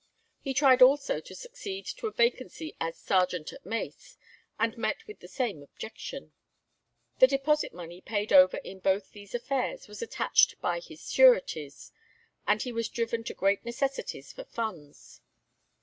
He tried also to succeed to a vacancy as Sergeant at mace, and met with the same objection. The deposit money paid over in both these affairs was attached by his sureties, and he was driven to great necessities for funds.